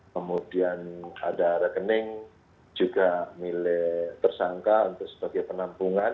kemudian ada rekening juga milik tersangka untuk sebagai penampungan